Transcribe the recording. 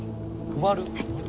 配る？